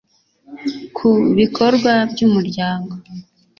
Ku bikorwa by Umuryango